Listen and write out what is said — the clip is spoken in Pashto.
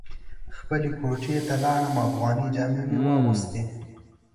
خپلې کوټې ته لاړم افغاني جامې مې واغوستې.